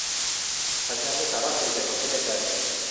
ฉันยังไม่สามารถสืบเหตุผลให้แน่ใจ